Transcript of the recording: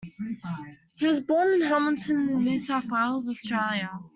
He was born in Hamilton, New South Wales, Australia.